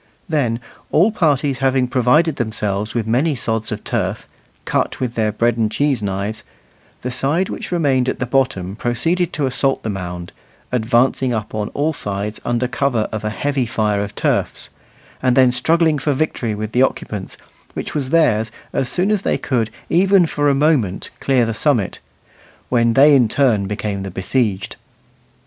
Then, all parties having provided themselves with many sods of turf, cut with their bread and cheese knives, the side which remained at the bottom proceeded to assault the mound, advancing up on all sides under cover of a heavy fire of turfs, and then struggling for victory with the occupants, which was theirs as soon as they could, even for a moment, clear the summit, when they in turn became the besieged.